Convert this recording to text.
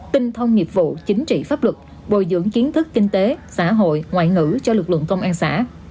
tinh thông nghiệp vụ chính trị pháp luật bồi dưỡng kiến thức kinh tế xã hội ngoại ngữ cho lực lượng công an xã